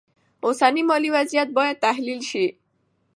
اوسنی مالي وضعیت باید تحلیل شي.